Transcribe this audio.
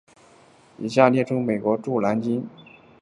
以下列出美国驻南京历任领事。